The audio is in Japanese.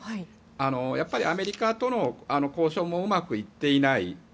アメリカとの交渉もうまくいっていない